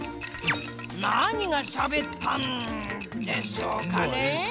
なにがしゃべったんでしょうかね。